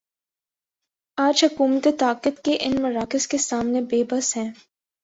آج حکومتیں طاقت کے ان مراکز کے سامنے بے بس ہیں۔